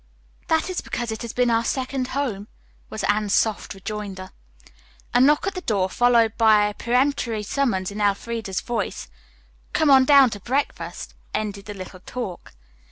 "That is because it has been our second home," was Anne's soft rejoinder. A knock at the door, followed by a peremptory summons in Elfreda's voice, "Come on down to breakfast," ended the little talk.